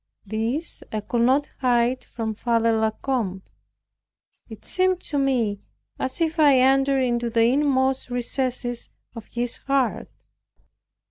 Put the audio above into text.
This I could not hide from Father La Combe. It seemed to me as if I entered into the inmost recesses of his heart.